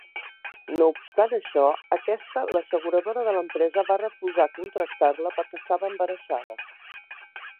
No obstant això, aquesta l'asseguradora de l'empresa va refusar contractar-la, perquè estava embarassada.